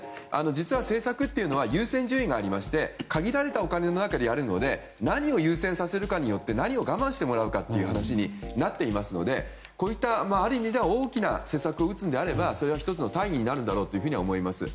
実は、政策というのは優先順位がありまして限られたお金の中でやるので何を優先させるかによって何を我慢してもらうかという話になっていますのでこういった、ある意味では大きな政策を打つのであればそれが１つの大義になるんだろうと思います。